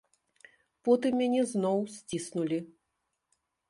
Потым мяне зноў сціснулі.